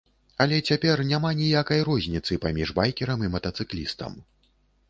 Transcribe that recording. Але цяпер няма ніякай розніцы паміж байкерам і матацыклістам.